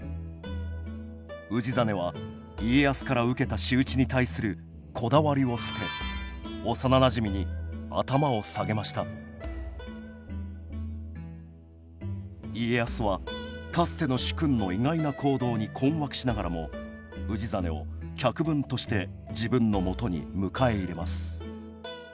氏真は家康から受けた仕打ちに対するこだわりを捨て幼なじみに頭を下げました家康はかつての主君の意外な行動に困惑しながらも氏真を客分として自分のもとに迎え入れます